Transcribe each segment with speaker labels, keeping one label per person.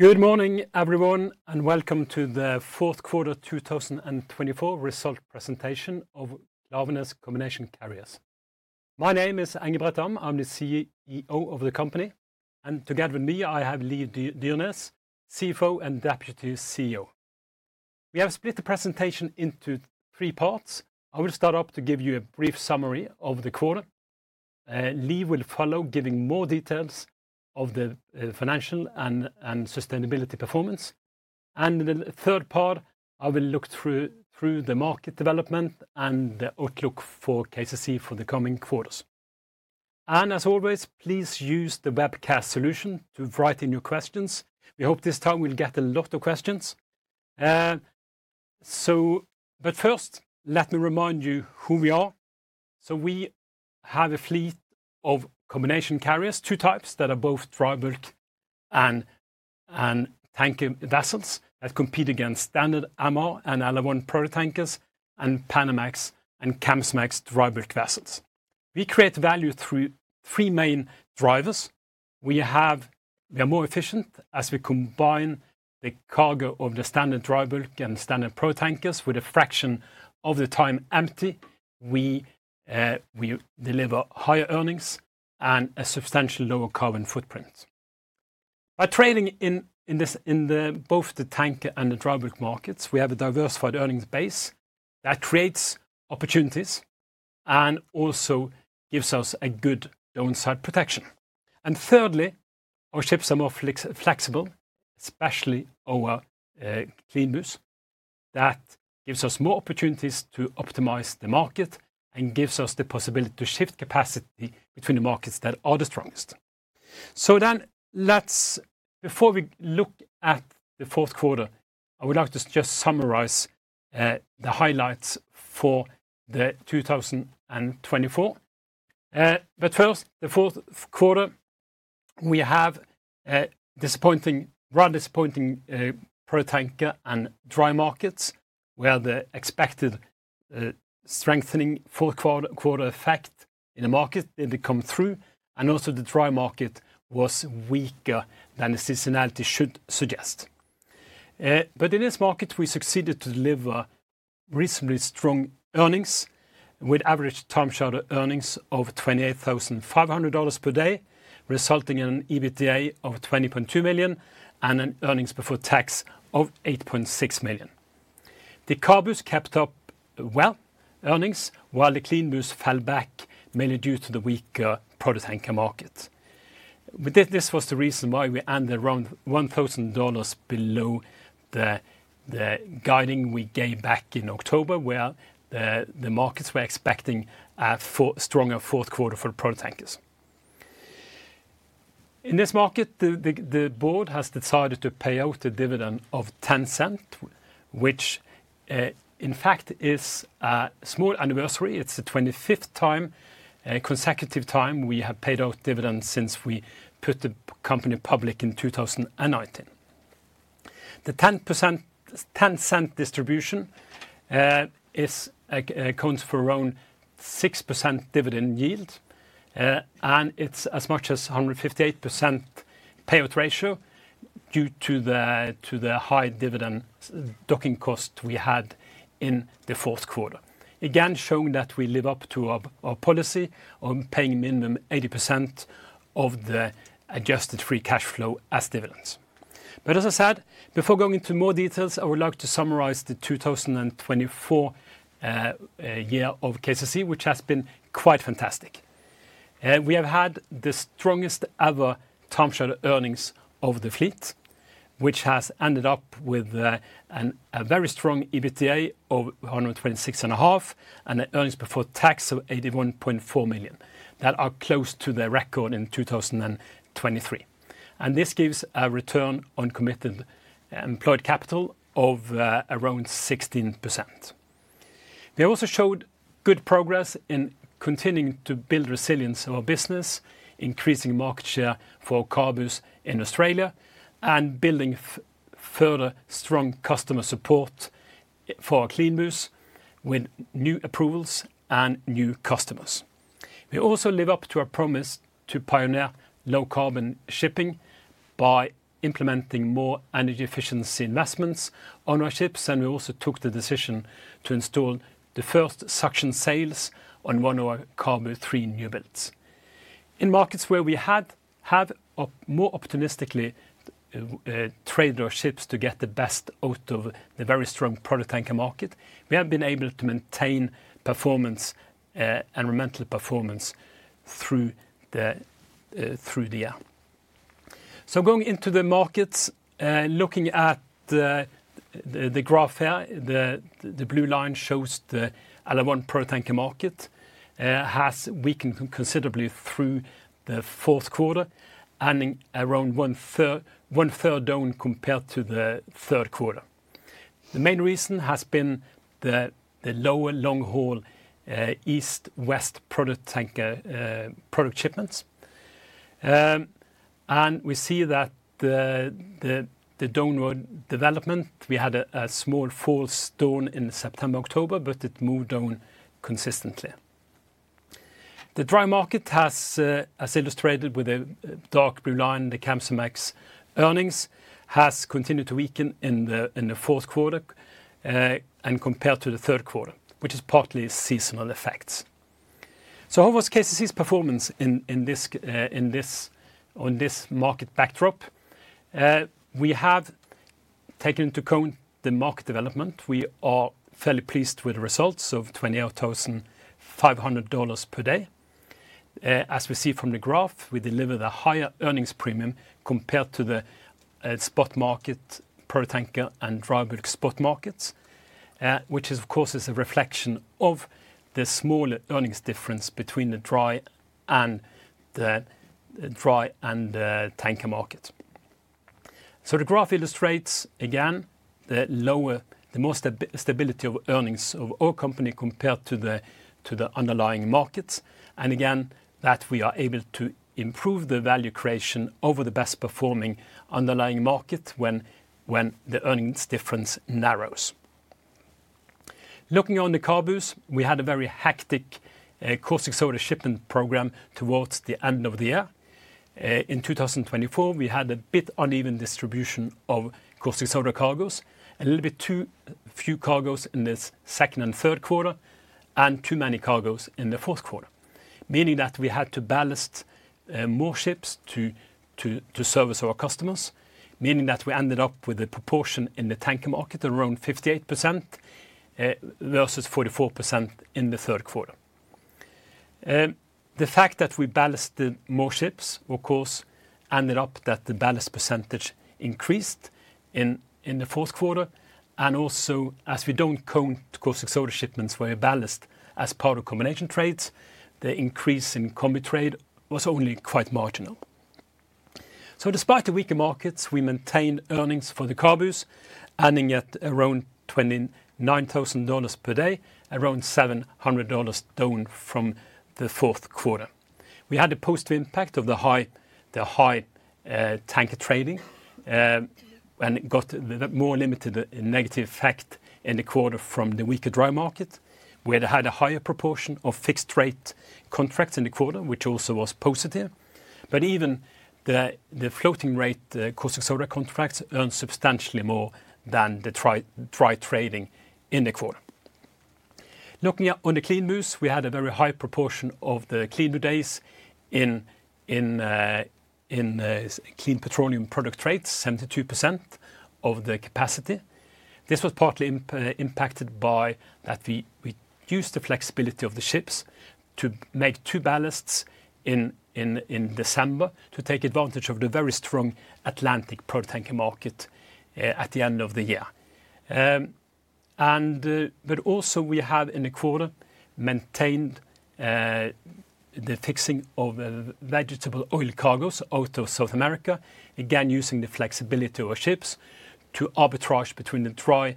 Speaker 1: Good morning, everyone, and welcome to the fourth quarter 2024 result presentation of Klaveness Combination Carriers. My name is Engebret Dahm. I'm the CEO of the company, and together with me, I have Liv Dyrnes, CFO and Deputy CEO. We have split the presentation into three parts. I will start off to give you a brief summary of the quarter. Liv will follow, giving more details of the financial and sustainability performance, and in the third part, I will look through the market development and the outlook for KCC for the coming quarters, and as always, please use the webcast solution to write in your questions. We hope this time we'll get a lot of questions, but first, let me remind you who we are. We have a fleet of combination carriers, two types that are both dry bulk and tanker vessels that compete against standard MR and LR1 product tankers, and Panamax and Kamsarmax dry bulk vessels. We create value through three main drivers. We are more efficient as we combine the cargo of the standard dry bulk and standard product tankers with a fraction of the time empty. We deliver higher earnings and a substantially lower carbon footprint. By trading in both the tanker and the dry bulk markets, we have a diversified earnings base that creates opportunities and also gives us a good downside protection. Thirdly, our ships are more flexible, especially our Cleanbu. That gives us more opportunities to optimize the market and gives us the possibility to shift capacity between the markets that are the strongest. So then, before we look at the fourth quarter, I would like to just summarize the highlights for 2024. But first, the fourth quarter, we have disappointing, rather disappointing product tanker and dry bulk markets, where the expected strengthening fourth quarter effect in the market didn't come through. And also the dry bulk market was weaker than the seasonality should suggest. But in this market, we succeeded to deliver reasonably strong earnings with average time charter equivalent of $28,500 per day, resulting in an EBITDA of $20.2 million and an earnings before tax of $8.6 million. The CABU kept up well earnings, while the CLEANBU fell back mainly due to the weaker product tanker market. This was the reason why we ended around $1,000 below the guidance we gave back in October, where the markets were expecting a stronger fourth quarter for the product tankers. In this market, the board has decided to pay out a dividend of $0.10, which in fact is a small anniversary. It's the 25th consecutive time we have paid out dividends since we took the company public in 2019. The $0.10 distribution counts for around 6% dividend yield, and it's as much as 158% payout ratio due to the high drydocking cost we had in the fourth quarter, again showing that we live up to our policy of paying a minimum of 80% of the adjusted free cash flow as dividends. But as I said, before going into more details, I would like to summarize the 2024 year of KCC, which has been quite fantastic. We have had the strongest ever time charter equivalent of the fleet, which has ended up with a very strong EBITDA of $126.5 million and an earnings before tax of $81.4 million. That is close to the record in 2023, and this gives a return on capital employed of around 16%. We also showed good progress in continuing to build resilience of our business, increasing market share for our CABUs in Australia, and building further strong customer support for our CLEANBUs with new approvals and new customers. We also live up to our promise to pioneer low carbon shipping by implementing more energy efficiency investments on our ships, and we also took the decision to install the first suction sails on one of our CABU III new builds. In markets where we have more optimistically traded our ships to get the best out of the very strong product tanker market, we have been able to maintain performance and remarkable performance through the year. Going into the markets, looking at the graph here, the blue line shows the LR1 product tanker market has weakened considerably through the fourth quarter, earning around one third down compared to the third quarter. The main reason has been the lower long haul east west product tanker product shipments. We see that the downward development, we had a small upturn in September, October, but it moved down consistently. The dry market has, as illustrated with a dark blue line, the Kamsarmax earnings have continued to weaken in the fourth quarter and compared to the third quarter, which is partly seasonal effects. How was KCC's performance on this market backdrop? We have taken into account the market development. We are fairly pleased with the results of $28,500 per day. As we see from the graph, we deliver the higher earnings premium compared to the spot market product tanker and dry bulk spot markets, which is, of course, a reflection of the smaller earnings difference between the dry and tanker market. So the graph illustrates again the lower, the more stability of earnings of our company compared to the underlying markets. And again, that we are able to improve the value creation over the best performing underlying market when the earnings difference narrows. Looking on the CABU, we had a very hectic caustic soda shipment program towards the end of the year. In 2024, we had a bit uneven distribution of caustic soda cargoes, a little bit too few cargoes in the second and third quarter, and too many cargoes in the fourth quarter, meaning that we had to ballast more ships to service our customers, meaning that we ended up with a proportion in the tanker market around 58% versus 44% in the third quarter. The fact that we ballasted more ships, of course, ended up that the ballast percentage increased in the fourth quarter, and also, as we don't count caustic soda shipments where we ballast as part of combination trades, the increase in combi trade was only quite marginal, so despite the weaker markets, we maintained earnings for the CABU, earning at around $29,000 per day, around $700 down from the fourth quarter. We had a positive impact of the high tanker trading and got more limited negative effect in the quarter from the weaker dry market, where they had a higher proportion of fixed rate contracts in the quarter, which also was positive. But even the floating rate caustic soda contracts earned substantially more than the dry trading in the quarter. Looking on the clean boost, we had a very high proportion of the clean boost days in clean petroleum product trades, 72% of the capacity. This was partly impacted by that we used the flexibility of the ships to make two ballasts in December to take advantage of the very strong Atlantic product tanker market at the end of the year. But also, we have in the quarter maintained the fixing of vegetable oil cargoes out of South America, again using the flexibility of our ships to arbitrage between the dry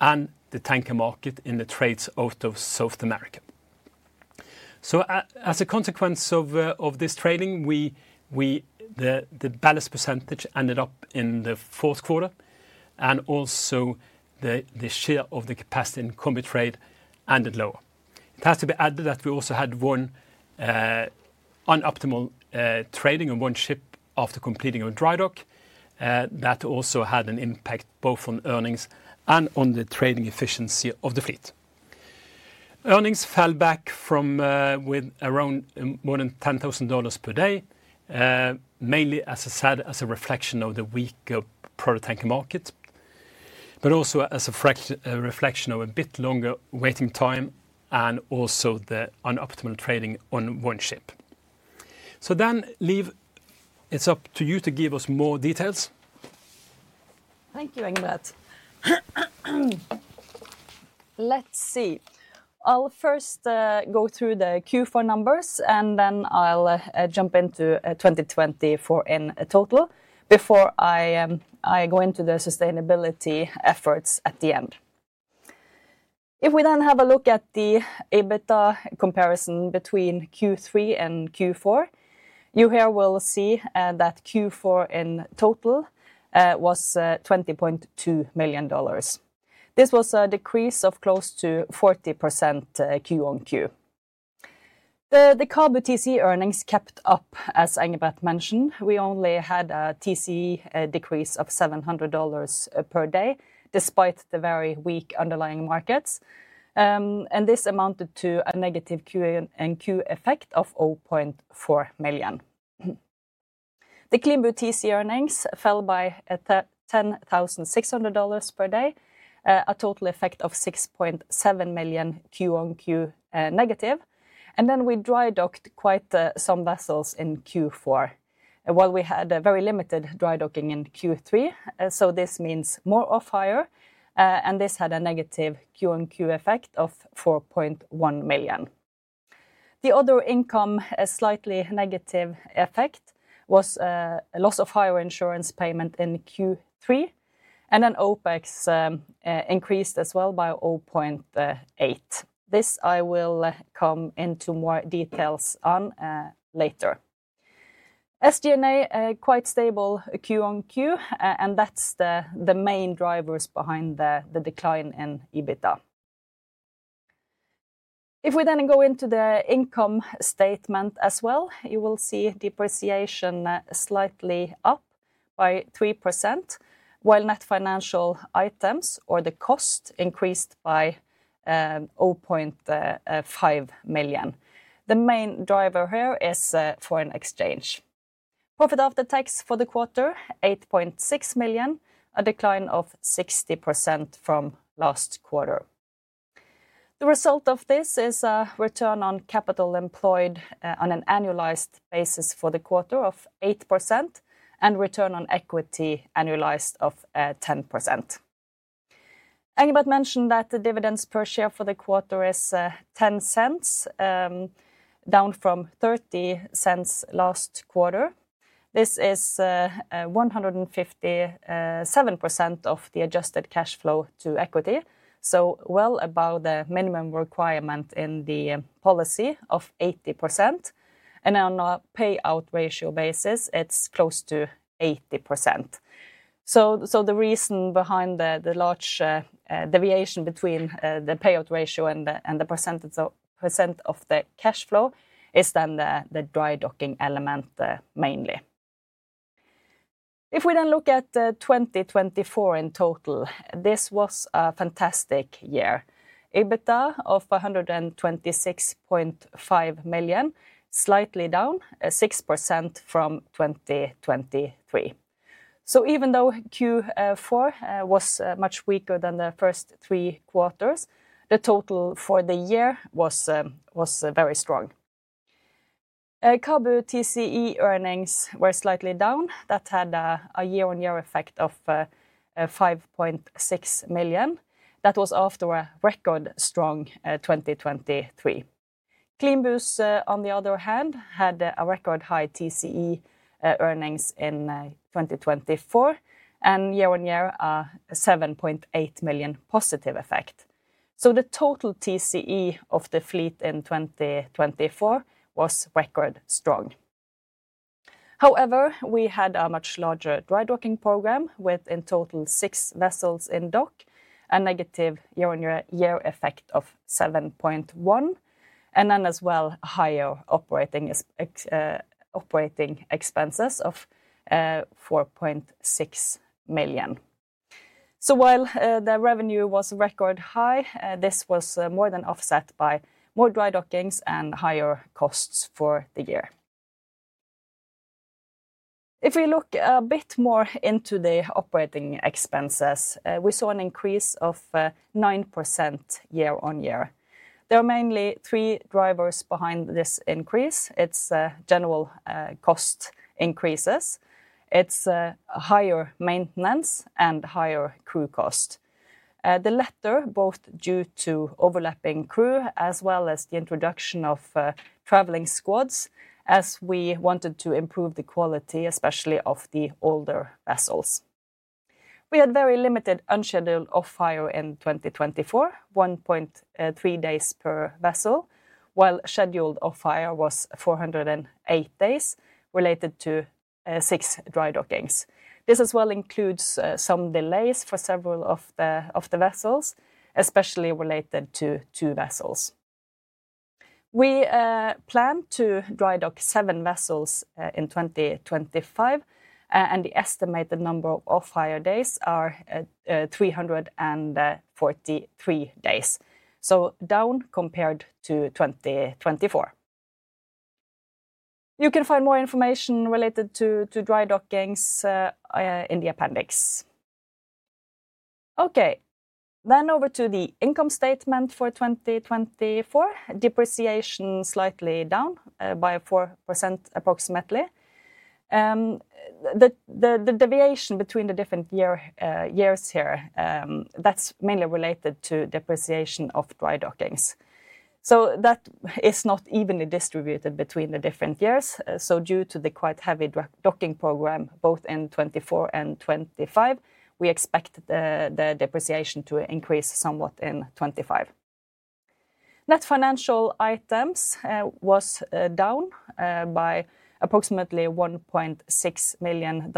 Speaker 1: and the tanker market in the trades out of South America. So as a consequence of this trading, the ballast percentage ended up in the fourth quarter, and also the share of the capacity in combi trade ended lower. It has to be added that we also had one suboptimal trading on one ship after completing a dry dock that also had an impact both on earnings and on the trading efficiency of the fleet. Earnings fell back from around more than $10,000 per day, mainly, as I said, as a reflection of the weaker product tanker market, but also as a reflection of a bit longer waiting time and also the suboptimal trading on one ship. So then, Liv, it's up to you to give us more details.
Speaker 2: Thank you, Engebret. Let's see. I'll first go through the Q4 numbers, and then I'll jump into 2024 in total before I go into the sustainability efforts at the end. If we then have a look at the EBITDA comparison between Q3 and Q4, you here will see that Q4 in total was $20.2 million. This was a decrease of close to 40% Q on Q. The CABU TCE earnings kept up, as Engebret mentioned. We only had a TCE decrease of $700 per day, despite the very weak underlying markets, and this amounted to a negative Q on Q effect of $0.4 million. The CLEANBU TCE earnings fell by $10,600 per day, a total effect of $6.7 million Q on Q negative, and then we dry docked quite some vessels in Q4, while we had very limited dry docking in Q3. So this means more off hire, and this had a negative Q on Q effect of $4.1 million. The other income slightly negative effect was a loss of hire insurance payment in Q3, and then OpEx increased as well by $0.8. This I will come into more details on later. SG&A quite stable Q on Q, and that's the main drivers behind the decline in EBITDA. If we then go into the income statement as well, you will see depreciation slightly up by three%, while net financial items or the cost increased by $0.5 million. The main driver here is foreign exchange. Profit after tax for the quarter, $8.6 million, a decline of 60% from last quarter. The result of this is a return on capital employed on an annualized basis for the quarter of eight% and return on equity annualized of 10%. Engebret mentioned that the dividends per share for the quarter is $0.10, down from $0.30 last quarter. This is 157% of the adjusted cash flow to equity, so well above the minimum requirement in the policy of 80%. And on a payout ratio basis, it's close to 80%. So the reason behind the large deviation between the payout ratio and the percent of the cash flow is then the dry docking element mainly. If we then look at 2024 in total, this was a fantastic year. EBITDA of $126.5 million, slightly down 6% from 2023. So even though Q4 was much weaker than the first three quarters, the total for the year was very strong. CABU TCE earnings were slightly down. That had a year-on-year effect of $5.6 million. That was after a record strong 2023. CLEANBU, on the other hand, had a record high TCE earnings in 2024, and year-on-year, a $7.8 million positive effect. So the total TCE of the fleet in 2024 was record strong. However, we had a much larger dry docking program with in total six vessels in dock, a negative year-on-year effect of $7.1 million, and then as well higher operating expenses of $4.6 million. So while the revenue was record high, this was more than offset by more dry dockings and higher costs for the year. If we look a bit more into the operating expenses, we saw an increase of 9% year-on-year. There are mainly three drivers behind this increase. It's general cost increases. It's higher maintenance and higher crew cost. The latter, both due to overlapping crew as well as the introduction of traveling squads, as we wanted to improve the quality, especially of the older vessels. We had very limited unscheduled off hire in 2024, 1.3 days per vessel, while scheduled off hire was 408 days related to six dry dockings. This as well includes some delays for several of the vessels, especially related to two vessels. We plan to dry dock seven vessels in 2025, and the estimated number of off hire days are 343 days, so down compared to 2024. You can find more information related to dry dockings in the appendix. Okay, then over to the income statement for 2024, depreciation slightly down by 4% approximately. The deviation between the different years here, that's mainly related to depreciation of dry dockings. So that is not evenly distributed between the different years. Due to the quite heavy docking program, both in 2024 and 2025, we expect the depreciation to increase somewhat in 2025. Net financial items was down by approximately $1.6 million.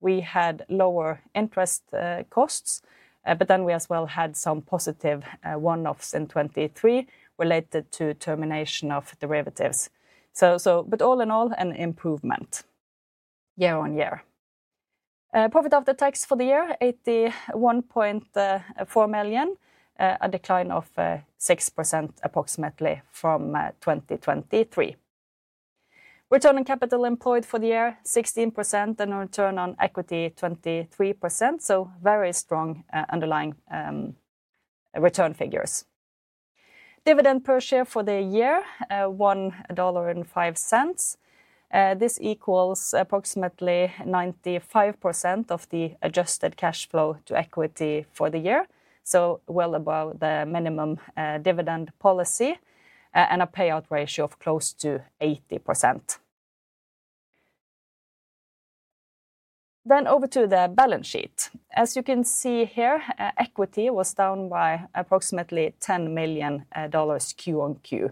Speaker 2: We had lower interest costs, but then we as well had some positive one-offs in 2023 related to termination of derivatives. But all in all, an improvement year-on-year. Profit after tax for the year, $81.4 million, a decline of 6% approximately from 2023. Return on capital employed for the year, 16%, and return on equity, 23%. So very strong underlying return figures. Dividend per share for the year, $1.05. This equals approximately 95% of the adjusted cash flow to equity for the year, so well above the minimum dividend policy and a payout ratio of close to 80%. Then over to the balance sheet. As you can see here, equity was down by approximately $10 million Q on Q.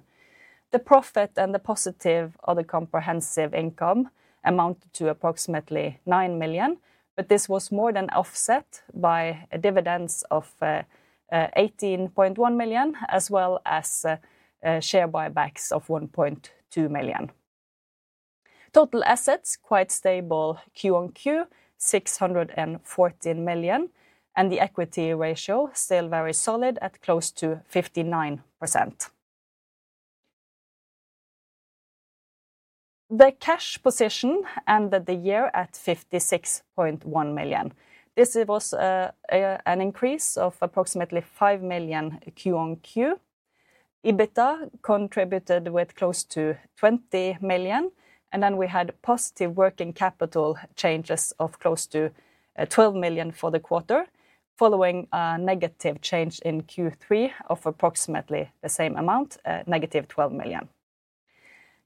Speaker 2: The profit and the positive other comprehensive income amounted to approximately $9 million, but this was more than offset by dividends of $18.1 million, as well as share buybacks of $1.2 million. Total assets, quite stable Q on Q, $614 million, and the equity ratio still very solid at close to 59%. The cash position ended the year at $56.1 million. This was an increase of approximately $5 million Q on Q. EBITDA contributed with close to $20 million, and then we had positive working capital changes of close to $12 million for the quarter, following a negative change in Q3 of approximately the same amount, negative $12 million.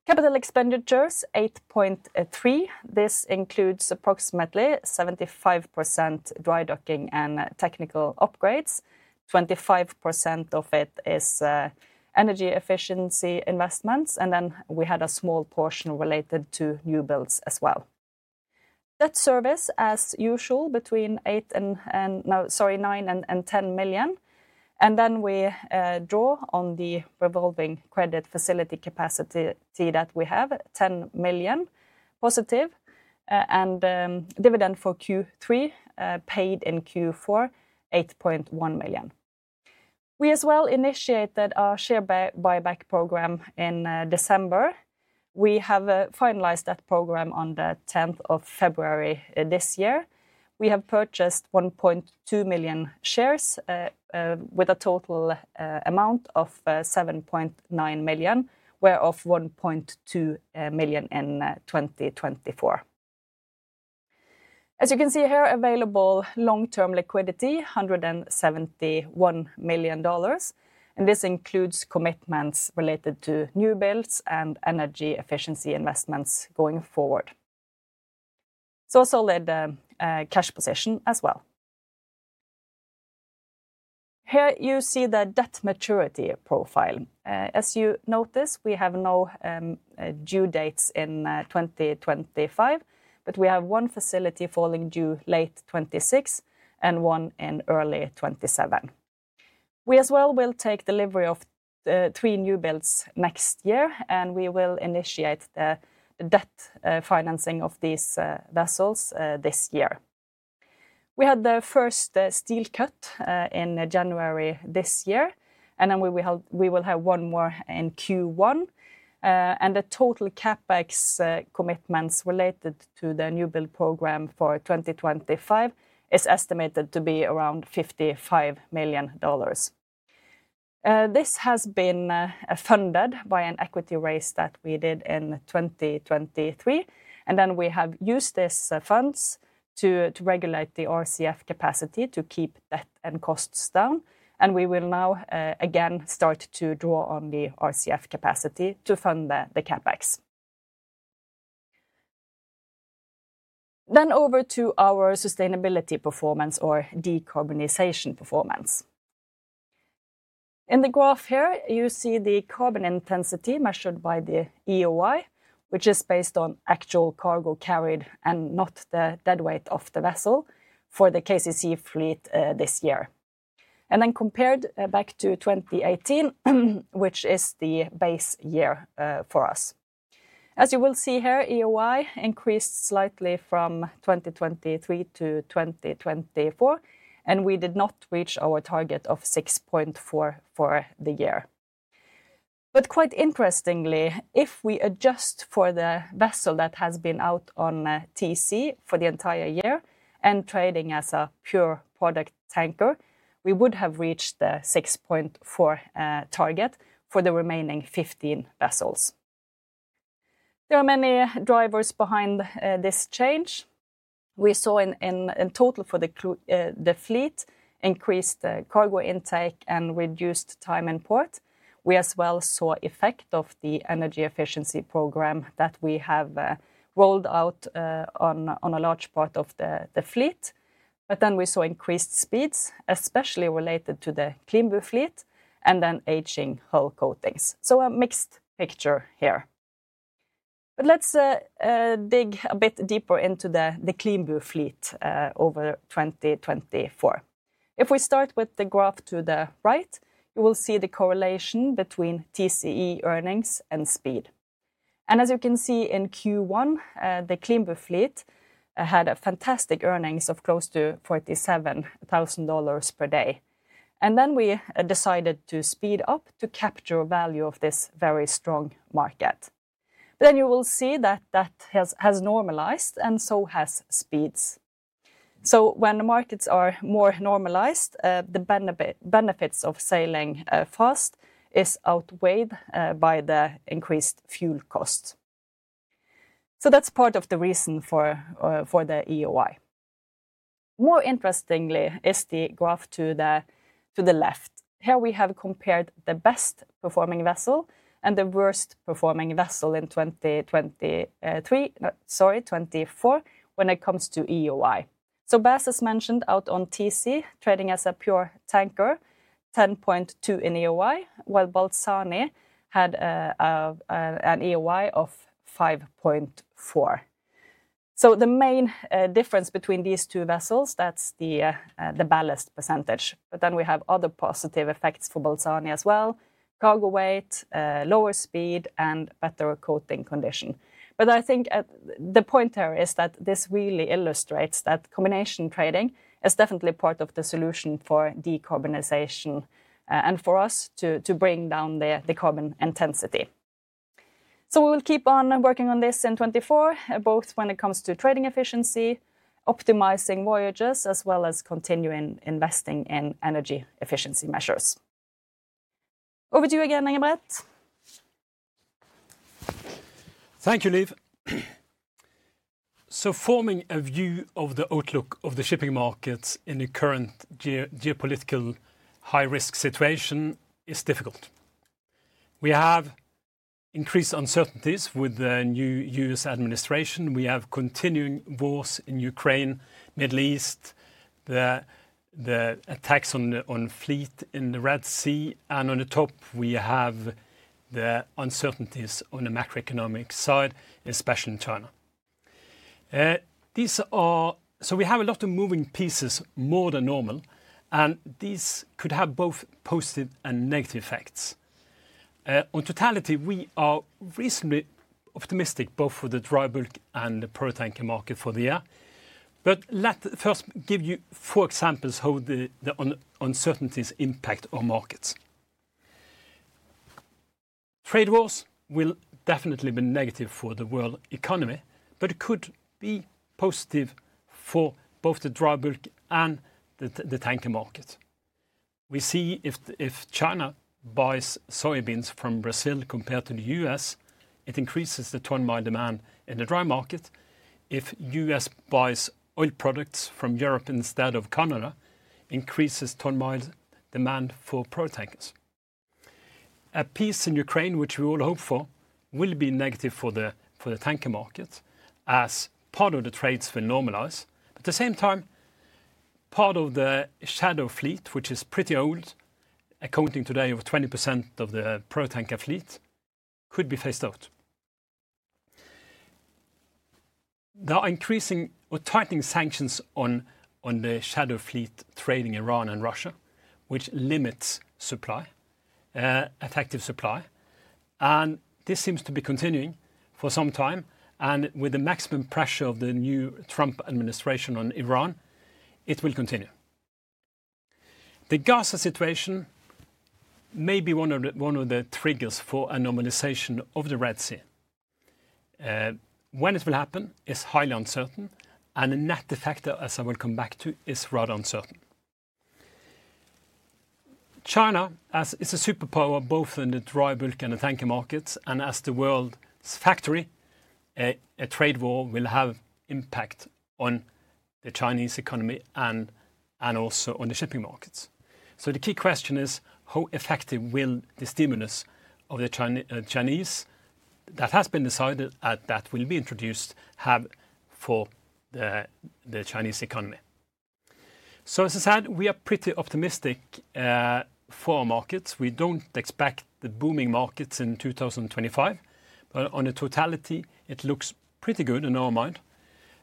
Speaker 2: Capital expenditures, $8.3 million. This includes approximately 75% dry docking and technical upgrades. 25% of it is energy efficiency investments, and then we had a small portion related to new builds as well. Debt service, as usual, between $9 and $10 million, and then we draw on the revolving credit facility capacity that we have, $10 million positive, and dividend for Q3 paid in Q4, $8.1 million. We as well initiated our share buyback program in December. We have finalized that program on the 10th of February this year. We have purchased $1.2 million shares with a total amount of $7.9 million, whereof $1.2 million in 2024. As you can see here, available long-term liquidity, $171 million, and this includes commitments related to new builds and energy efficiency investments going forward, so a solid cash position as well. Here you see the debt maturity profile. As you notice, we have no due dates in 2025, but we have one facility falling due late 2026 and one in early 2027. We as well will take delivery of three new builds next year, and we will initiate the debt financing of these vessels this year. We had the first steel cut in January this year, and then we will have one more in Q1. And the total CapEx commitments related to the new build program for 2025 is estimated to be around $55 million. This has been funded by an equity raise that we did in 2023, and then we have used these funds to regulate the RCF capacity to keep debt and costs down. And we will now again start to draw on the RCF capacity to fund the CapEx. Then over to our sustainability performance or decarbonization performance. In the graph here, you see the carbon intensity measured by the EEOI, which is based on actual cargo carried and not the dead weight of the vessel for the KCC fleet this year, and then compared back to 2018, which is the base year for us. As you will see here, EEOI increased slightly from 2023 to 2024, and we did not reach our target of 6.4 for the year, but quite interestingly, if we adjust for the vessel that has been out on TC for the entire year and trading as a pure product tanker, we would have reached the 6.4 target for the remaining 15 vessels. There are many drivers behind this change. We saw in total for the fleet increased cargo intake and reduced time in port. We as well saw effect of the energy efficiency program that we have rolled out on a large part of the fleet. But then we saw increased speeds, especially related to the Cleanbu fleet, and then aging hull coatings. So a mixed picture here. But let's dig a bit deeper into the Cleanbu fleet over 2024. If we start with the graph to the right, you will see the correlation between TCE earnings and speed. And as you can see in Q1, the Cleanbu fleet had fantastic earnings of close to $47,000 per day. And then we decided to speed up to capture value of this very strong market. But then you will see that that has normalized and so has speeds. So when markets are more normalized, the benefits of sailing fast is outweighed by the increased fuel costs. So that's part of the reason for the EOI. More interestingly is the graph to the left. Here we have compared the best performing vessel and the worst performing vessel in 2023, sorry, 2024, when it comes to EOI. So Bass, as mentioned, out on TC trading as a pure tanker, $10.2 in EOI, while Balzani had an EOI of $5.4. So the main difference between these two vessels, that's the ballast percentage. But then we have other positive effects for Balzani as well: cargo weight, lower speed, and better coating condition. But I think the point here is that this really illustrates that combination trading is definitely part of the solution for decarbonization and for us to bring down the carbon intensity. So we will keep on working on this in 2024, both when it comes to trading efficiency, optimizing voyages, as well as continuing investing in energy efficiency measures. Over to you again, Engebret. Thank you, Liv.
Speaker 1: So forming a view of the outlook of the shipping markets in the current geopolitical high-risk situation is difficult. We have increased uncertainties with the new U.S. administration. We have continuing wars in Ukraine, Middle East, the attacks on fleet in the Red Sea, and on the top, we have the uncertainties on the macroeconomic side, especially in China. So we have a lot of moving pieces more than normal, and these could have both positive and negative effects. On totality, we are reasonably optimistic both for the dry bulk and the product tanker market for the year. But let's first give you four examples of how the uncertainties impact our markets. Trade wars will definitely be negative for the world economy, but it could be positive for both the dry bulk and the tanker market.
Speaker 2: We see if China buys soybeans from Brazil compared to the U.S., it increases the tonnage demand in the dry market. If the U.S. buys oil products from Europe instead of Canada, it increases tonnage demand for product tankers. A peace in Ukraine, which we all hope for, will be negative for the tanker market as part of the trades will normalize. At the same time, part of the shadow fleet, which is pretty old, accounting today for 20% of the product tanker fleet, could be phased out. There are increasing or tightening sanctions on the shadow fleet trading Iran and Russia, which limits supply, effective supply. And this seems to be continuing for some time. And with the maximum pressure of the new Trump administration on Iran, it will continue. The Gaza situation may be one of the triggers for a normalization of the Red Sea.
Speaker 1: When it will happen is highly uncertain, and the net effect, as I will come back to, is rather uncertain. China, as it's a superpower both in the dry bulk and the tanker markets, and as the world's factory, a trade war will have an impact on the Chinese economy and also on the shipping markets. So the key question is, how effective will the stimulus of the Chinese that has been decided that will be introduced have for the Chinese economy? So, as I said, we are pretty optimistic for our markets. We don't expect the booming markets in 2025, but on the totality, it looks pretty good in our mind.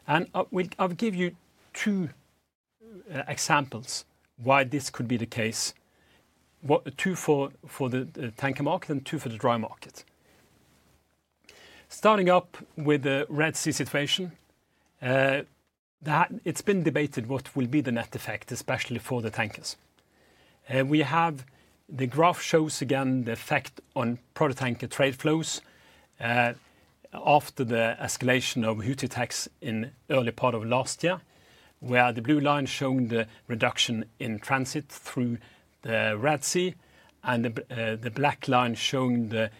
Speaker 1: And I'll give you two examples why this could be the case, two for the tanker market and two for the dry market. Starting up with the Red Sea situation, it's been debated what will be the net effect, especially for the tankers. The graph shows again the effect on product tanker trade flows after the escalation of Houthi attacks in the early part of last year, where the blue line is showing the reduction in transit through the Red Sea and the black line showing the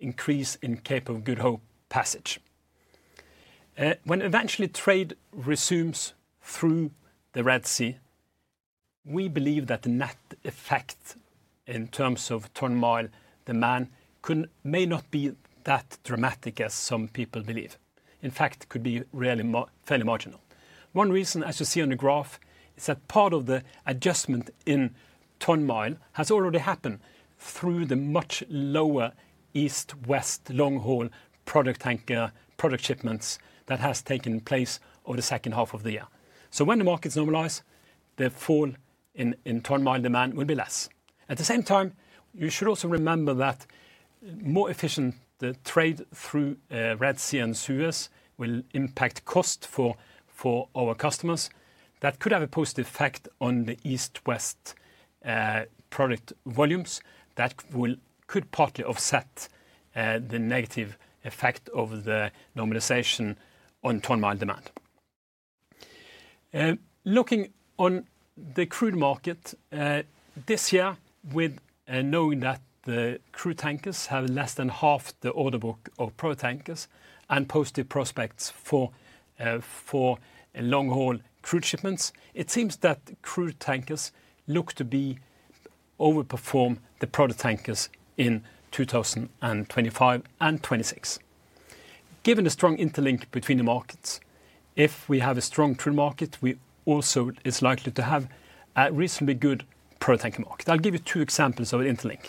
Speaker 1: increase in Cape of Good Hope passage. When eventually trade resumes through the Red Sea, we believe that the net effect in terms of tonnage demand may not be that dramatic as some people believe. In fact, it could be really fairly marginal. One reason, as you see on the graph, is that part of the adjustment in tonnage has already happened through the much lower east-west long-haul product tanker product shipments that have taken place over the second half of the year. So when the markets normalize, the fall in tonnage demand will be less. At the same time, you should also remember that more efficient trade through Red Sea and Suez will impact costs for our customers. That could have a positive effect on the east-west product volumes that could partly offset the negative effect of the normalisation on tonnage demand. Looking on the crude market this year, with knowing that the crude tankers have less than half the order book of product tankers and positive prospects for long-haul crude shipments, it seems that crude tankers look to be overperforming the product tankers in 2025 and 2026. Given the strong interlink between the markets, if we have a strong crude market, we also are likely to have a reasonably good product tanker market. I'll give you two examples of an interlink.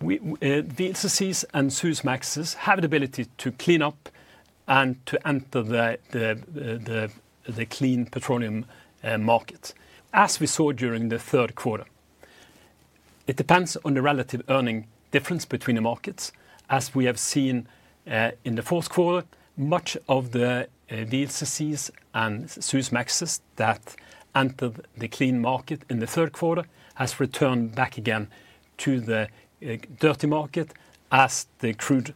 Speaker 1: The VLCCs and Suezmax have the ability to clean up and to enter the clean petroleum market, as we saw during the third quarter. It depends on the relative earnings difference between the markets, as we have seen in the fourth quarter. Much of the VLCCs and Suezmax that entered the clean market in the third quarter has returned back again to the dirty market, as the crude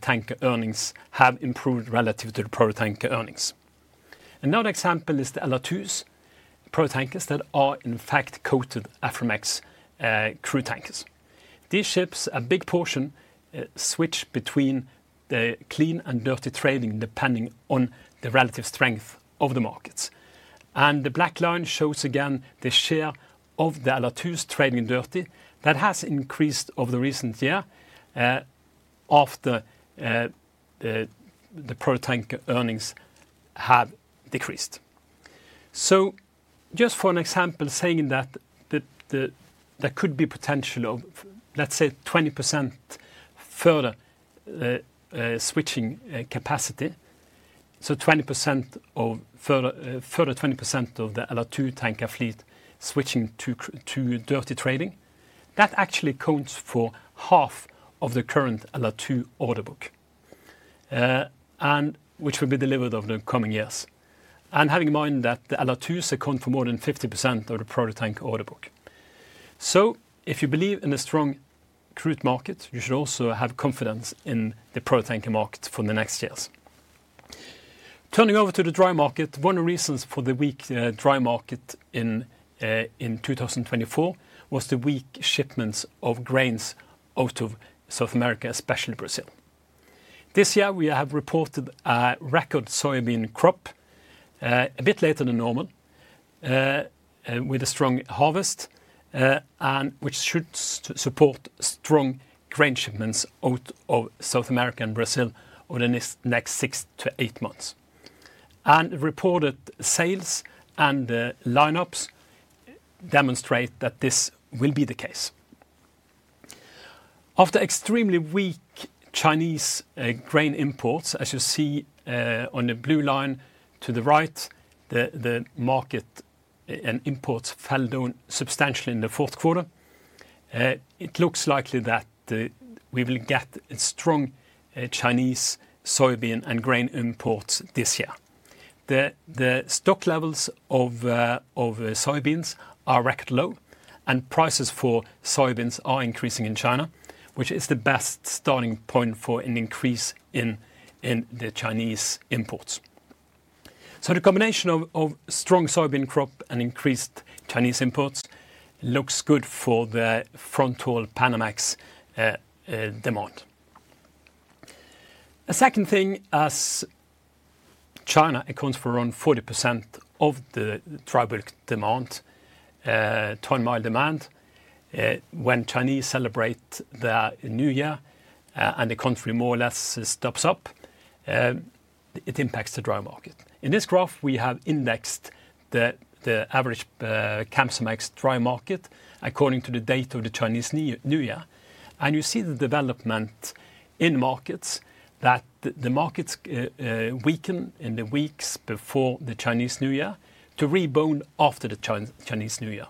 Speaker 1: tanker earnings have improved relative to the product tanker earnings. Another example is the LR2 product tankers that are, in fact, coated Aframax crude tankers. These ships, a big portion, switch between the clean and dirty trading depending on the relative strength of the markets. And the black line shows again the share of the LR2 trading in dirty that has increased over the recent year after the product tanker earnings have decreased. So just for an example, saying that there could be potential of, let's say, 20% further switching capacity, so 20% of further 20% of the LR2 tanker fleet switching to dirty trading, that actually counts for half of the current LR2 order book, which will be delivered over the coming years. And having in mind that the LR2 accounts for more than 50% of the product tanker order book. So if you believe in a strong crude market, you should also have confidence in the product tanker market for the next years. Turning over to the dry market, one of the reasons for the weak dry market in 2024 was the weak shipments of grains out of South America, especially Brazil. This year, we have reported a record soybean crop a bit later than normal, with a strong harvest, which should support strong grain shipments out of South America and Brazil over the next six to eight months. Reported sales and lineups demonstrate that this will be the case. After extremely weak Chinese grain imports, as you see on the blue line to the right, the market and imports fell down substantially in the fourth quarter. It looks likely that we will get strong Chinese soybean and grain imports this year. The stock levels of soybeans are record low, and prices for soybeans are increasing in China, which is the best starting point for an increase in the Chinese imports, so the combination of strong soybean crop and increased Chinese imports looks good for the front-haul Panamax demand. A second thing, as China accounts for around 40% of the global demand, tonnage demand, when Chinese celebrate the New Year and the country more or less shuts down, it impacts the dry market. In this graph, we have indexed the average Kamsarmax dry market according to the date of the Chinese New Year. You see the development in markets that the markets weaken in the weeks before the Chinese New Year to rebound after the Chinese New Year.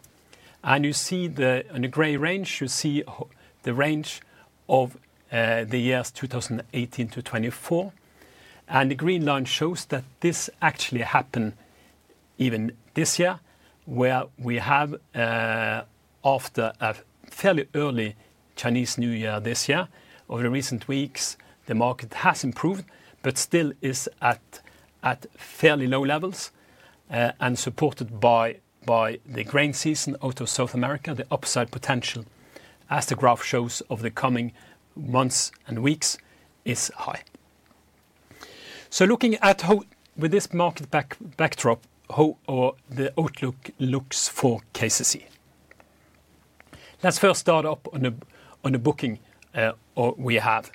Speaker 1: You see in the gray range the range of the years 2018 to 2024. The green line shows that this actually happened even this year, where we have, after a fairly early Chinese New Year this year, over the recent weeks, the market has improved, but still is at fairly low levels and supported by the grain season out of South America. The upside potential, as the graph shows over the coming months and weeks, is high. So looking at with this market backdrop, how the outlook looks for KCC. Let's first start up on the booking we have.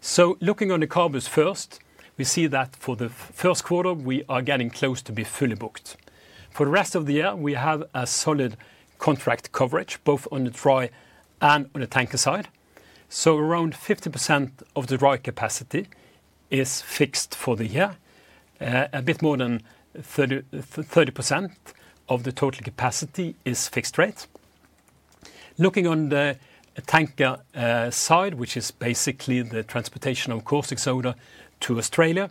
Speaker 1: So looking on the carbos first, we see that for the first quarter, we are getting close to be fully booked. For the rest of the year, we have a solid contract coverage, both on the dry and on the tanker side. So around 50% of the dry capacity is fixed for the year. A bit more than 30% of the total capacity is fixed rate. Looking on the tanker side, which is basically the transportation of caustic soda to Australia,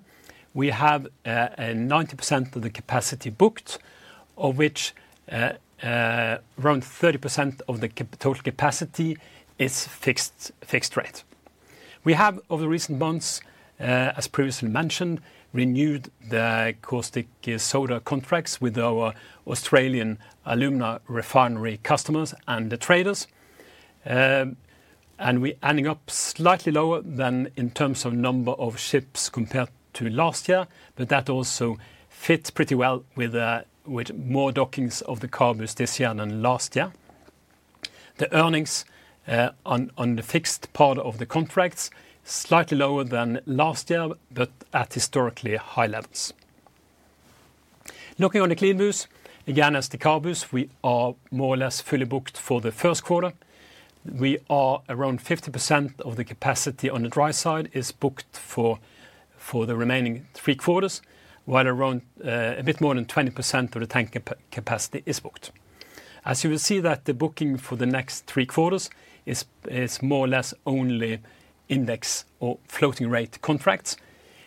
Speaker 1: we have 90% of the capacity booked, of which around 30% of the total capacity is fixed rate. We have, over the recent months, as previously mentioned, renewed the caustic soda contracts with our Australian alumina refinery customers and the traders, and we're ending up slightly lower than in terms of number of ships compared to last year, but that also fits pretty well with more dockings of the carbos this year than last year. The earnings on the fixed part of the contracts are slightly lower than last year, but at historically high levels. Looking on the clean boost, again, as the carbos, we are more or less fully booked for the first quarter. We are around 50% of the capacity on the dry side is booked for the remaining three quarters, while around a bit more than 20% of the tanker capacity is booked. As you will see, the booking for the next three quarters is more or less only index or floating rate contracts,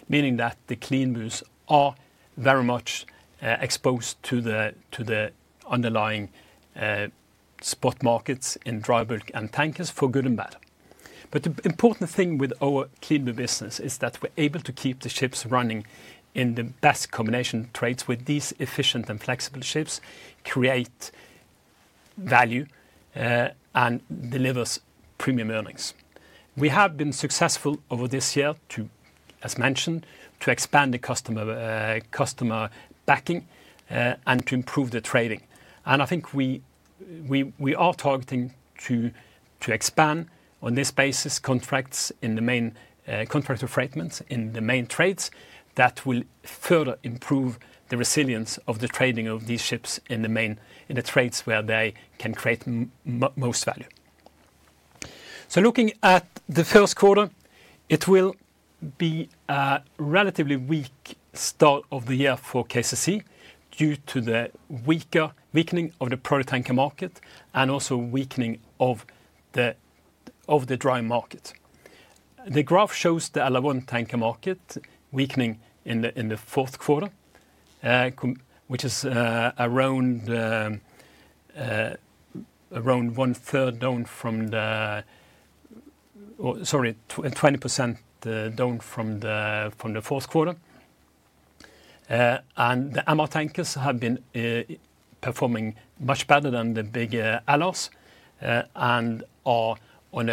Speaker 1: meaning that the Cleanbu are very much exposed to the underlying spot markets in dry bulk and tankers, for good and bad. But the important thing with our Cleanbu business is that we're able to keep the ships running in the best combination trades with these efficient and flexible ships, create value, and deliver premium earnings. We have been successful over this year, as mentioned, to expand the customer base and to improve the trading. And I think we are targeting to expand on this basis contracts in the main contract segments in the main trades that will further improve the resilience of the trading of these ships in the trades where they can create most value. Looking at the first quarter, it will be a relatively weak start of the year for KCC due to the weakening of the product tanker market and also weakening of the dry market. The graph shows the LR1 tanker market weakening in the fourth quarter, which is around one-third down from the, sorry, 20% down from the fourth quarter. The MR tankers have been performing much better than the big LRs and are on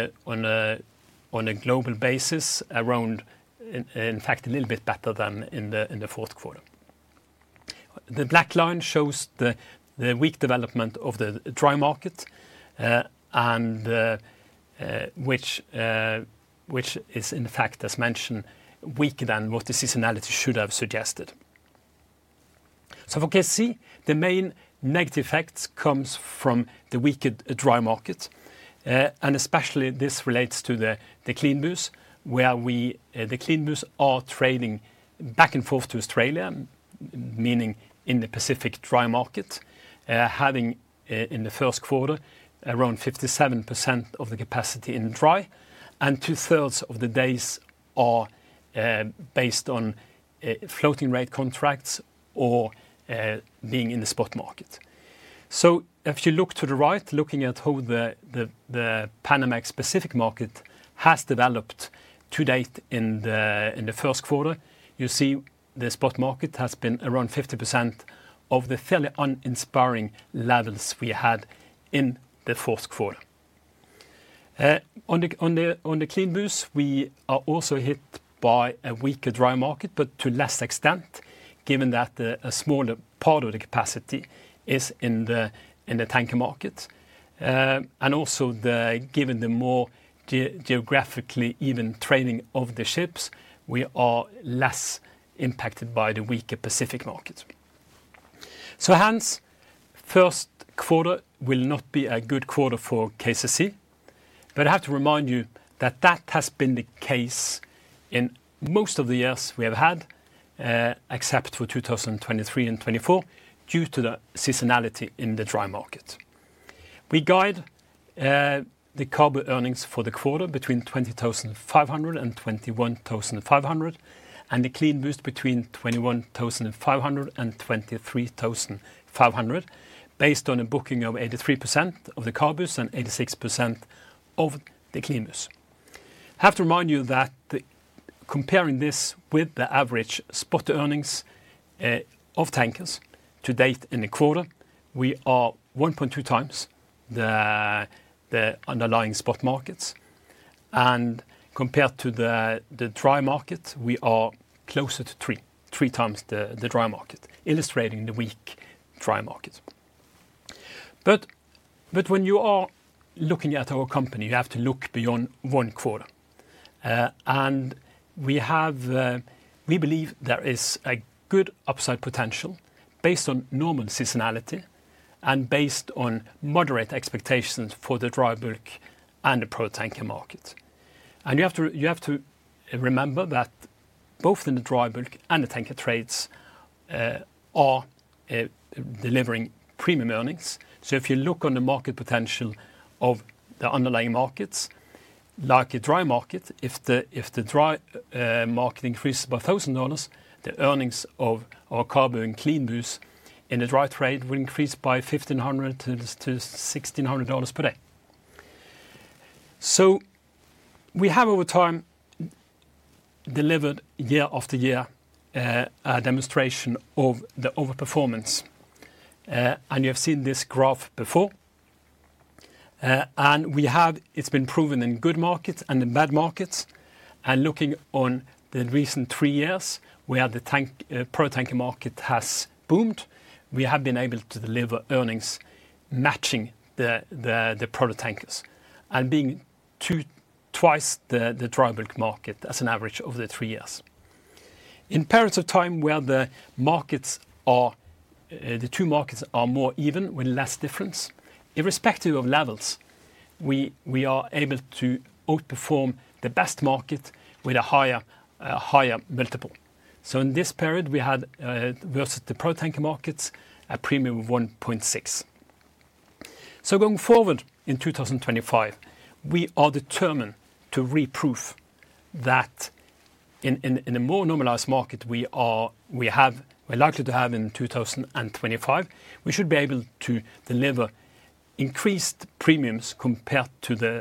Speaker 1: a global basis around, in fact, a little bit better than in the fourth quarter. The black line shows the weak development of the dry market, which is, in fact, as mentioned, weaker than what the seasonality should have suggested. So for KCC, the main negative effect comes from the weakened dry market, and especially this relates to the Cleanbu, where the Cleanbu are trading back and forth to Australia, meaning in the Pacific dry market, having in the first quarter around 57% of the capacity in dry, and two-thirds of the days are based on floating rate contracts or being in the spot market. So if you look to the right, looking at how the Panamax Pacific market has developed to date in the first quarter, you see the spot market has been around 50% of the fairly uninspiring levels we had in the fourth quarter. On the Cleanbu, we are also hit by a weaker dry market, but to less extent, given that a smaller part of the capacity is in the tanker market. And also, given the more geographically even trading of the ships, we are less impacted by the weaker Pacific market. So hence, first quarter will not be a good quarter for KCC. But I have to remind you that that has been the case in most of the years we have had, except for 2023 and 2024, due to the seasonality in the dry market. We guide the CABU earnings for the quarter between $20,500 and $21,500, and the CLEANBU between $21,500 and $23,500, based on a booking of 83% of the CABUs and 86% of the CLEANBUs. I have to remind you that comparing this with the average spot earnings of tankers to date in the quarter, we are 1.2 times the underlying spot markets. And compared to the dry market, we are closer to 3 times the dry market, illustrating the weak dry market. But when you are looking at our company, you have to look beyond one quarter. And we believe there is a good upside potential based on normal seasonality and based on moderate expectations for the dry bulk and the product tanker market. And you have to remember that both in the dry bulk and the tanker trades are delivering premium earnings. So if you look on the market potential of the underlying markets, like a dry market, if the dry market increases by $1,000, the earnings of our CABU CLEANBU's in the dry trade will increase by $1,500-$1,600 per day. So we have over time delivered year after year a demonstration of the overperformance. And you have seen this graph before. And it's been proven in good markets and in bad markets. And looking on the recent three years, where the product tanker market has boomed, we have been able to deliver earnings matching the product tankers and being twice the dry bulk market as an average over the three years. In periods of time where the two markets are more even with less difference, irrespective of levels, we are able to outperform the best market with a higher multiple. So in this period, we had, versus the product tanker markets, a premium of 1.6. So going forward in 2025, we are determined to prove that in a more normalized market we are likely to have in 2025, we should be able to deliver increased premiums compared to the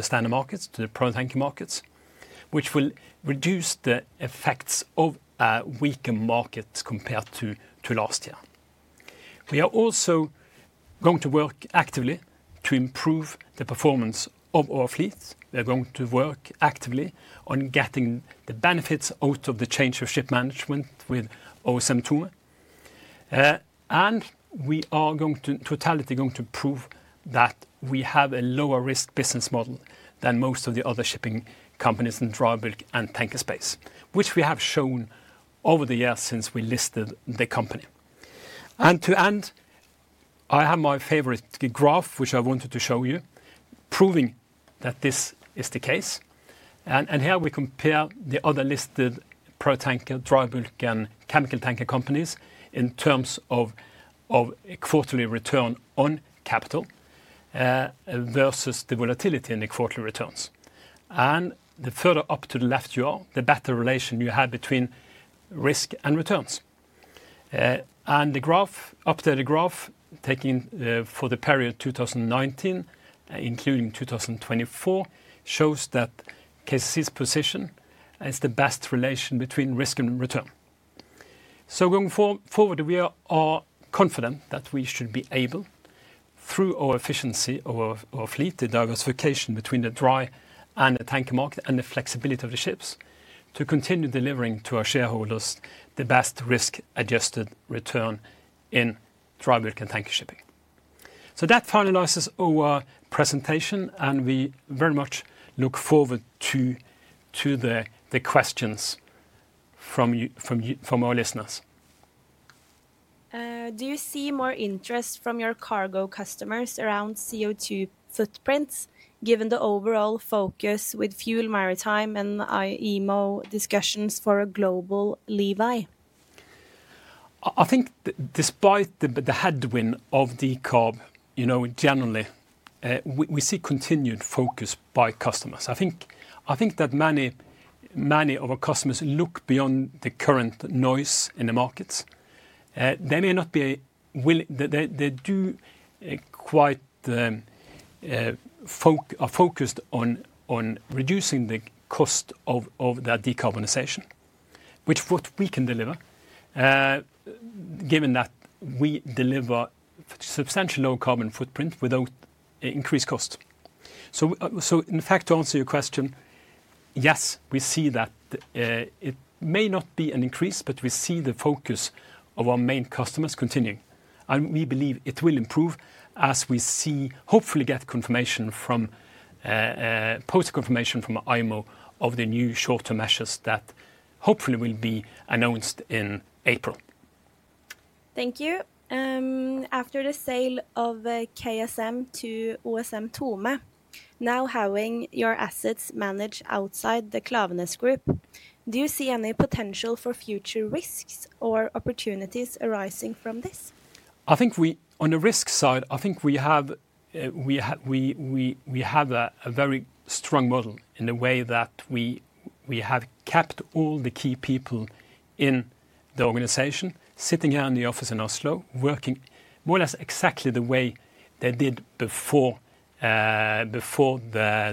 Speaker 1: standard markets, to the product tanker markets, which will reduce the effects of weaker markets compared to last year. We are also going to work actively to improve the performance of our fleet. We are going to work actively on getting the benefits out of the change of ship management with OSM Thome. And we are totally going to prove that we have a lower risk business model than most of the other shipping companies in dry bulk and tanker space, which we have shown over the years since we listed the company. And to end, I have my favorite graph, which I wanted to show you, proving that this is the case. And here we compare the other listed product tanker, dry bulk, and chemical tanker companies in terms of quarterly return on capital versus the volatility in the quarterly returns. And the further up to the left you are, the better relation you have between risk and returns. And the updated graph taken for the period 2019, including 2024, shows that KCC's position is the best relation between risk and return. So going forward, we are confident that we should be able, through our efficiency of our fleet, the diversification between the dry and the tanker market, and the flexibility of the ships, to continue delivering to our shareholders the best risk-adjusted return in dry bulk and tanker shipping. So that finalizes our presentation, and we very much look forward to the questions from our listeners.
Speaker 2: Do you see more interest from your cargo customers around CO2 footprints, given the overall focus with FuelEU Maritime and IMO discussions for a global levy?
Speaker 1: I think despite the headwind of the CII, generally, we see continued focus by customers. I think that many of our customers look beyond the current noise in the markets.
Speaker 2: They may not be willing. They do quite are focused on reducing the cost of their decarbonization, which is what we can deliver, given that we deliver substantial low carbon footprint without increased cost. So in fact, to answer your question, yes, we see that it may not be an increase, but we see the focus of our main customers continuing. And we believe it will improve as we see, hopefully, get confirmation from post-confirmation from IMO of the new short-term measures that hopefully will be announced in April. Thank you. After the sale of KSM to OSM Thome, now having your assets managed outside the Klaveness Group, do you see any potential for future risks or opportunities arising from this?
Speaker 1: I think on the risk side, I think we have a very strong model in the way that we have kept all the key people in the organization sitting here in the office in Oslo, working more or less exactly the way they did before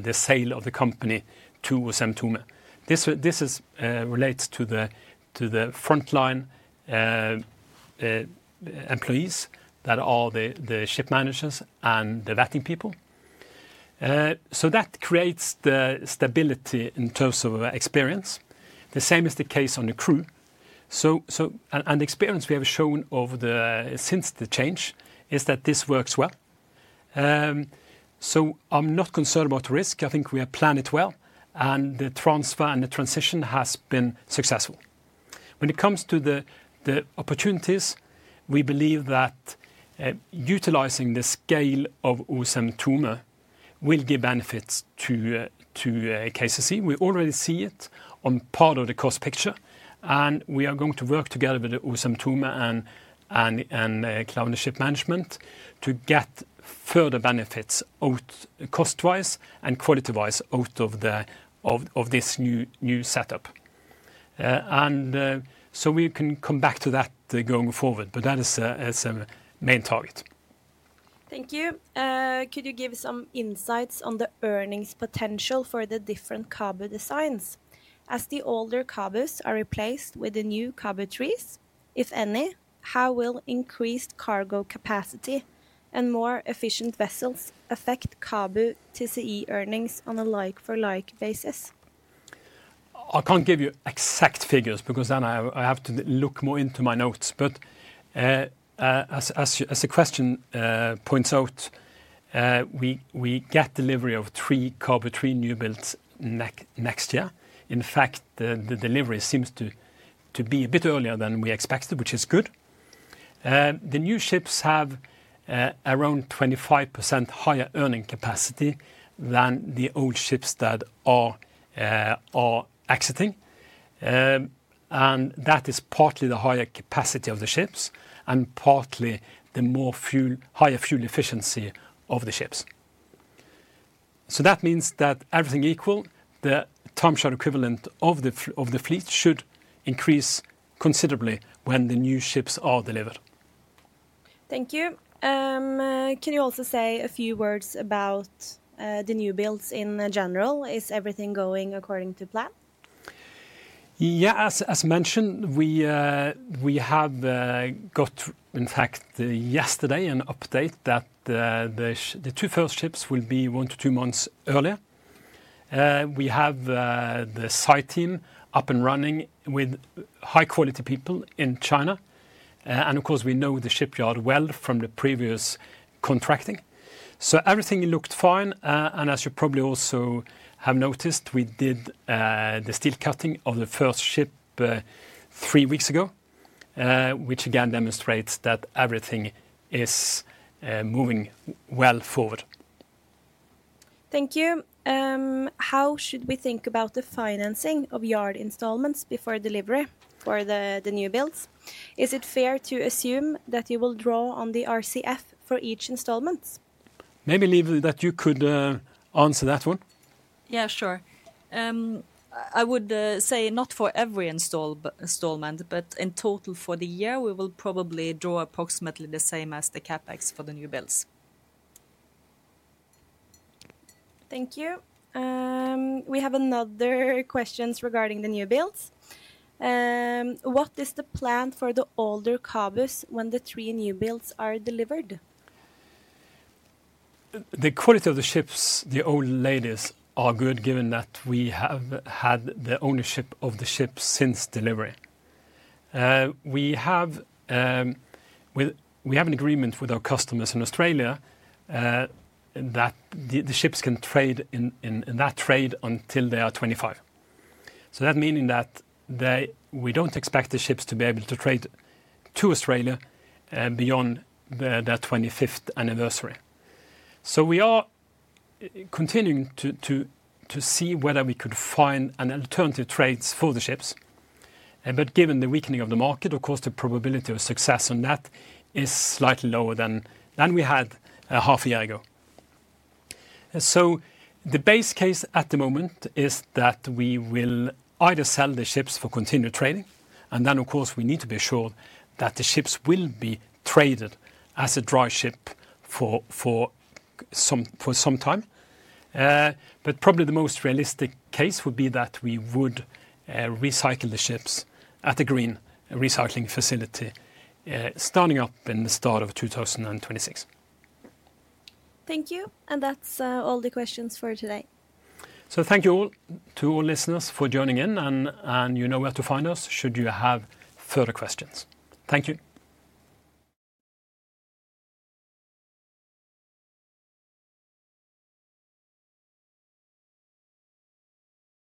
Speaker 1: the sale of the company to OSM Tuma. This relates to the frontline employees that are the ship managers and the vetting people. So that creates the stability in terms of experience. The same is the case on the crew. And the experience we have shown since the change is that this works well. So I'm not concerned about risk. I think we have planned it well, and the transfer and the transition has been successful. When it comes to the opportunities, we believe that utilizing the scale of OSM Tuma will give benefits to KCC. We already see it on part of the cost picture, and we are going to work together with OSM Thome and Klaveness Ship Management to get further benefits cost-wise and quality-wise out of this new setup. So we can come back to that going forward, but that is a main target. Thank you. Could you give some insights on the earnings potential for the different CABU designs? As the older CABUs are replaced with the new CABU 3s, if any, how will increased cargo capacity and more efficient vessels affect CABU TCE earnings on a like-for-like basis? I can't give you exact figures because then I have to look more into my notes. As the question points out, we get delivery of three CABU 3 new builds next year. In fact, the delivery seems to be a bit earlier than we expected, which is good. The new ships have around 25% higher earning capacity than the old ships that are exiting. And that is partly the higher capacity of the ships and partly the higher fuel efficiency of the ships. So that means that everything equal, the time charter equivalent of the fleet should increase considerably when the new ships are delivered. Thank you. Can you also say a few words about the new builds in general? Is everything going according to plan? Yeah, as mentioned, we have got, in fact, yesterday an update that the two first ships will be one to two months earlier. We have the site team up and running with high-quality people in China. And of course, we know the shipyard well from the previous contracting. So everything looked fine. As you probably also have noticed, we did the steel cutting of the first ship three weeks ago, which again demonstrates that everything is moving well forward. Thank you. How should we think about the financing of yard installments before delivery for the new builds? Is it fair to assume that you will draw on the RCF for each installment? Maybe Liv, that you could answer that one.
Speaker 2: Yeah, sure. I would say not for every installment, but in total for the year, we will probably draw approximately the same as the CapEx for the new builds. Thank you. We have another question regarding the new builds. What is the plan for the older CABUs when the three new builds are delivered?
Speaker 1: The quality of the ships, the old ladies, are good given that we have had the ownership of the ships since delivery. We have an agreement with our customers in Australia that the ships can trade in that trade until they are 25. So that means that we don't expect the ships to be able to trade to Australia beyond their 25th anniversary. So we are continuing to see whether we could find an alternative trade for the ships. But given the weakening of the market, of course, the probability of success on that is slightly lower than we had half a year ago. So the base case at the moment is that we will either sell the ships for continued trading, and then, of course, we need to be sure that the ships will be traded as a dry ship for some time, but probably the most realistic case would be that we would recycle the ships at a green recycling facility starting up in the start of 2026. Thank you. And that's all the questions for today. So thank you all to all listeners for joining in. And you know where to find us should you have further questions. Thank you.